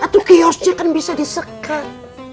satu kiosnya kan bisa disekat